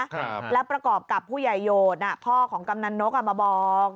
ครับแล้วประกอบกับผู้ใหญ่โยชนอ่ะพ่อของกำนันนกอ่ะมาบอก